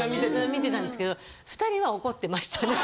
見てたんですけど２人は怒ってましたね。